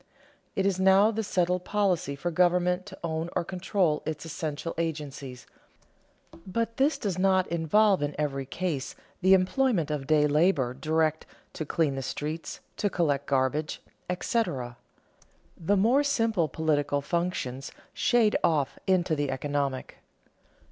It is now the settled policy for government to own or control its essential agencies, but this does not involve in every case the employment of day labor direct to clean the streets, to collect garbage, etc. The more simple political functions shade off into the economic.